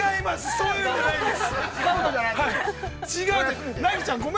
そういうのじゃないです。